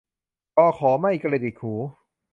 ก ข ไม่กระดิกหู